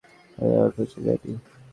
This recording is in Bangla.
আমি আমার পরিচয় জানি।